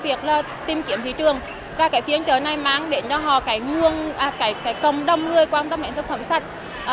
việc là tìm kiếm thị trường và cái phiên chợ này mang đến cho họ cái cộng đồng người quan tâm đến thực phẩm sạch